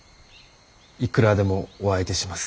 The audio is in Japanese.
いくらでもお相手します。